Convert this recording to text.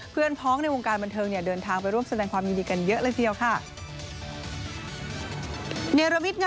ไม่ใช่งานเฉียงใหม่พันไม้อะไรนะ